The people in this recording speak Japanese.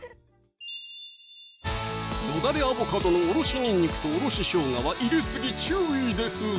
「よだれアボカド」のおろしにんにくとおろししょうがは入れ過ぎ注意ですぞ！